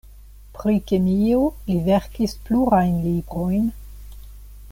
Pri kemio li verkis plurajn librojn.